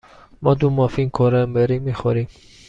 ما دو مافین کرنبری می خوریم.